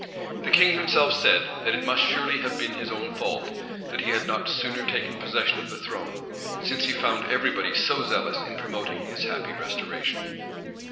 The king himself said, that it must surely have been his own fault, that he had not sooner taken possession of the throne; since he found every body so zealous in promoting his happy restoration.